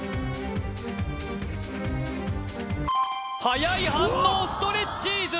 はやい反応ストレッチーズ